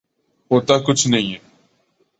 ہوتا کچھ نہیں ہے۔